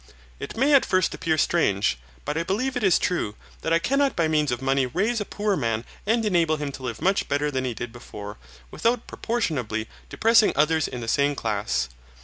It may at first appear strange, but I believe it is true, that I cannot by means of money raise a poor man and enable him to live much better than he did before, without proportionably depressing others in the same class.